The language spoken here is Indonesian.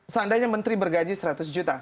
seandainya menteri bergaji seratus juta